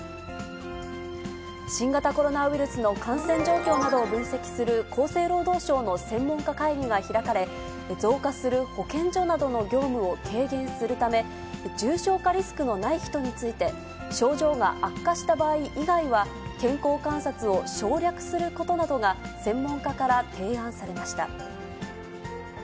新型コロナウイルスの感染状況などを分析する、厚生労働省の専門家会議が開かれ、増加する保健所などの業務を軽減するため、重症化リスクのない人について、症状が悪化した場合以外は、健康観察を省略することなどが、専門家から提案されました。